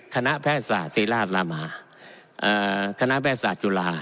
คณะแพทยศาสตร์ศิราชลามหาคณะแพทยศาสตร์จุฬา